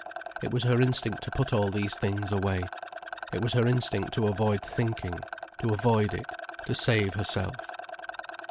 It was her instinct to put all these things away. It was her instinct to avoid thinking, to avoid it, to save herself.